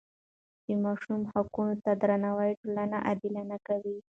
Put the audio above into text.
د ماشوم حقونو ته درناوی ټولنه عادلانه کوي.